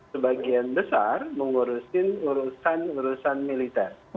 sebagian besar mengurusin urusan urusan militer